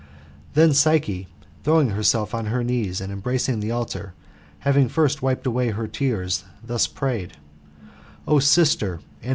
Then Psyche, throwing herself on her knees, and embracing the' altar, having first wiped away her tears, thus prayed ;'' O sister and.